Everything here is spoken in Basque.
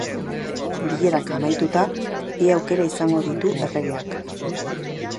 Bilerak amaituta, bi aukera izango ditu erregeak.